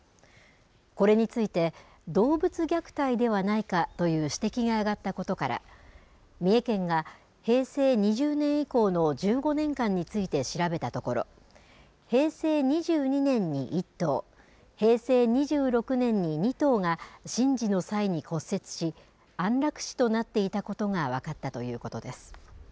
これについて、動物虐待ではないかという指摘が上がったことから、三重県が平成２０年以降の１５年間について調べたところ、平成２２年に１頭、平成２６年に２頭が、神事の際に骨折し、安楽死となっていたことが分かったということです。